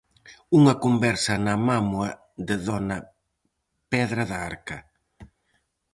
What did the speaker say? Unha conversa na mámoa de dona pedra da arca.